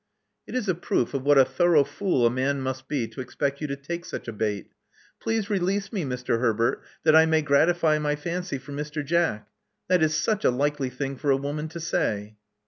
It is a proof of what a thor5ugh fool a man must be, to expect you to take such a bait. * Please release me, Mr. Herbert, that I may gratify my fancy for Mr. Jack.' That is such a likely thing for a woman to say!"